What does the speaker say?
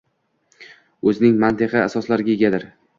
o‘zining mantiqiy asoslariga egadir.